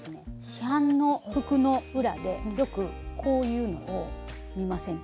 市販の服の裏でよくこういうのを見ませんか？